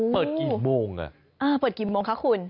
เปิดกี่โมงอ่ะเปิดกี่โมงคะคุณ